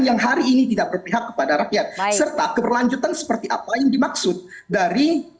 yang hari ini tidak berpihak kepada rakyat serta keberlanjutan seperti apa yang dimaksud dari